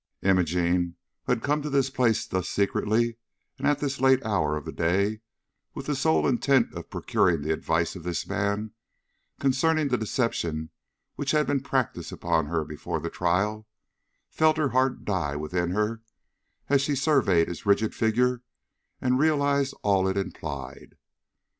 Imogene, who had come to this place thus secretly and at this late hour of the day with the sole intent of procuring the advice of this man concerning the deception which had been practised upon her before the trial, felt her heart die within her as she surveyed this rigid figure and realized all it implied.